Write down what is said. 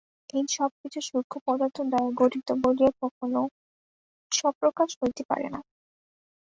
এই সবকিছুই সূক্ষ্ম পদার্থ দ্বারা গঠিত বলিয়া কখনও স্বপ্রকাশ হইতে পারে না।